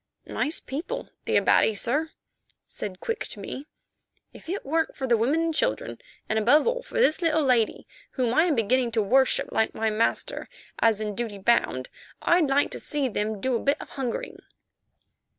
"Nice people, the Abati, sir," said Quick to me. "If it weren't for the women and children, and, above all, for this little lady, whom I am beginning to worship like my master, as in duty bound, I'd like to see them do a bit of hungering."